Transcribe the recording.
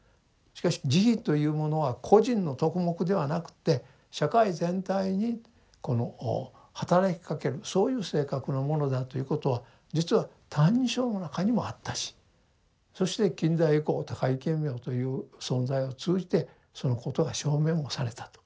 しかし慈悲というものは個人の徳目ではなくて社会全体にこのはたらきかけるそういう性格のものだということは実は「歎異抄」の中にもあったしそして近代以降高木顕明という存在を通じてそのことが証明もされたと。